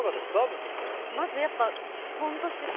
見てて。